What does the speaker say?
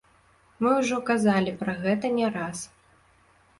Мы ўжо казалі пра гэта не раз.